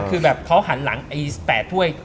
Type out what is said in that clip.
คือแบบเขาหันหลัง๘ถ้วย